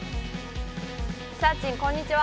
リサーちんこんにちは